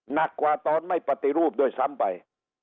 หนักกว่าตอนไม่ปฏิรูปด้วยซ้ำไป